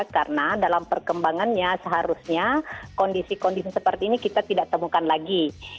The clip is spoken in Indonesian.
karena dalam perkembangannya seharusnya kondisi kondisi seperti ini kita tidak temukan lagi